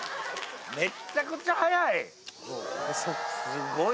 めっちゃくちゃ早い！